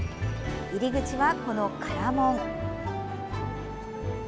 入り口は、この唐門。